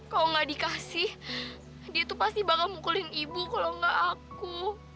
kalau gak dikasih dia tuh pasti bakal mukulin ibu kalau gak aku